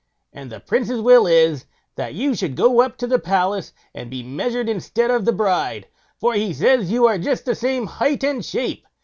And the Prince's will is, that you should go up to the palace and be measured instead of the bride; for he says you are just the same height and shape.